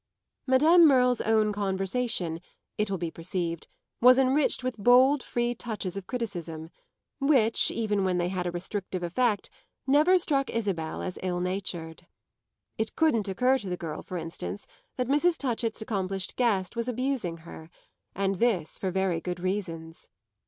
Madame Merle's own conversation, it will be perceived, was enriched with bold, free touches of criticism, which, even when they had a restrictive effect, never struck Isabel as ill natured. It couldn't occur to the girl for instance that Mrs. Touchett's accomplished guest was abusing her; and this for very good reasons.